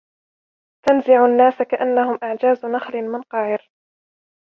تَنزِعُ النَّاسَ كَأَنَّهُمْ أَعْجَازُ نَخْلٍ مُّنقَعِرٍ